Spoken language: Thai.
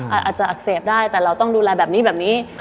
อาจจะอักเสบได้แต่เราต้องดูแลแบบนี้แบบนี้